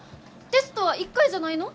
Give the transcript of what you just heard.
テストは１回じゃないの？